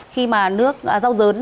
khi mà nước rau dấn